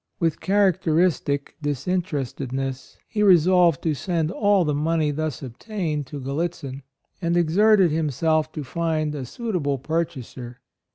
With characteristic disinterested ness he resolved to send all the money thus obtained to Gallitzin, and exerted himself to find a suitable purchaser.